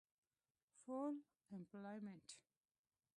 Full Employment